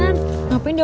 gimana mau diancam